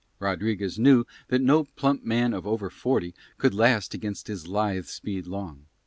Rodriguez knew that no plump man of over forty could last against his lithe speed long.